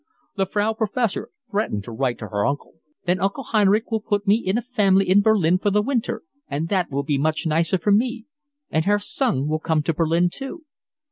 The Frau Professor threatened to write to her uncle. "Then Onkel Heinrich will put me in a family in Berlin for the winter, and that will be much nicer for me. And Herr Sung will come to Berlin too."